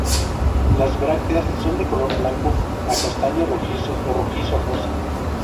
Las brácteas son de color blanco a castaño rojizo o rojizo rosa.